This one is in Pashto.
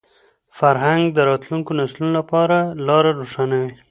فرهنګ د راتلونکو نسلونو لپاره لاره روښانوي.